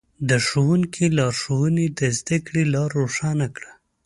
د ښوونکي لارښوونې د زده کړې لاره روښانه کړه.